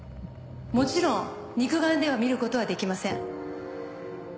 もちろん肉眼では見ることはできません。